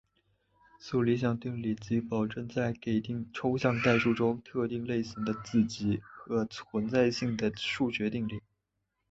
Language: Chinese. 素理想定理即保证在给定的抽象代数中特定类型之子集的存在性之数学定理。